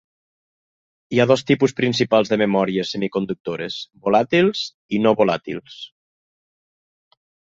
Hi ha dos tipus principals de memòries semiconductores: volàtils i no volàtils.